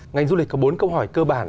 ngành du lịch có bốn câu hỏi cơ bản